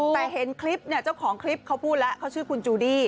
แต่เห็นคลิปเนี่ยเจ้าของคลิปเขาพูดแล้วเขาชื่อคุณจูดี้